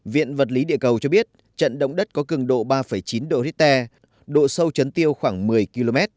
viện vật lý địa cầu cho biết trận động đất có cường độ ba chín độ richter độ sâu chấn tiêu khoảng một mươi km